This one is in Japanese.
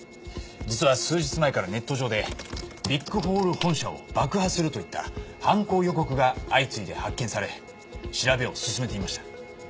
実は数日前からネット上でビッグホール本社を爆破するといった犯行予告が相次いで発見され調べを進めていました。